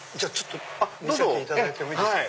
見せていただいてもいいですか？